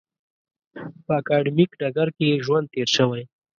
په اکاډمیک ډګر کې یې ژوند تېر شوی.